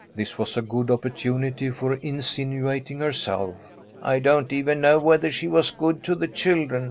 This was a good opportunity for insinuating herself. ' I don*t even know whether she was good to the children.